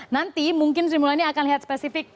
nanti mungkin sri mulyani akan lihat spesifik